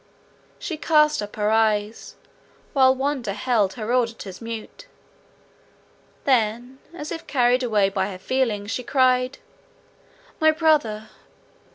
She cast up her eyes, while wonder held her auditors mute; then, as if carried away by her feelings, she cried—"My brother!